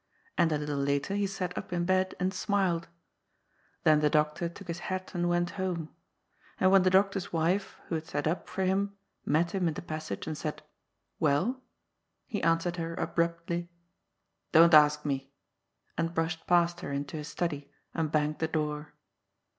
And a little later he sat up in bed and smiled. Then the doctor took his hat and went home ; and when the doctor's wife, who had sat up for him, met him in the pas sage, and said, " Well ?" he answered her abruptly, " Don't ask me," and brushed past her into his study and banged the door.